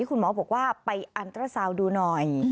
คุณหมอบอกว่าไปอันตราซาวน์ดูหน่อย